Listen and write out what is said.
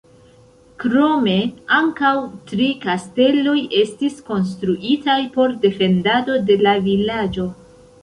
Krome, ankaŭ tri kasteloj estis konstruitaj por defendado de la vilaĝo.